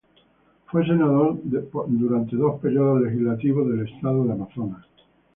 Fue senador por dos periodos legislativos del estado de Amazonas.